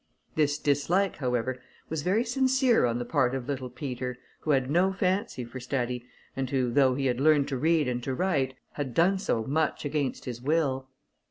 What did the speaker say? This dislike, however, was very sincere on the part of little Peter, who had no fancy for study, and who, though he had learned to read and to write, had done so much against his will.